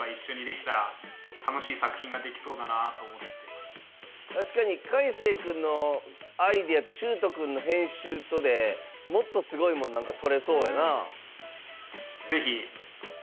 ⁉だから確かにかいせい君のアイデアとしゅうと君の編集とでもっとすごいもん何か撮れそうやな。